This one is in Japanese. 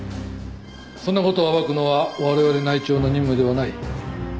そんな事を暴くのは我々内調の任務ではない。